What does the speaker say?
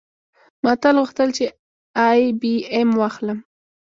ما تل غوښتل چې آی بي ایم واخلم